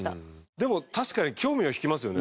でも確かに興味は引きますよね。